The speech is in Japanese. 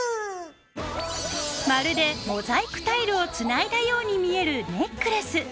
まるでモザイクタイルをつないだように見えるネックレス。